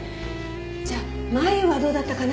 じゃあ眉はどうだったかな？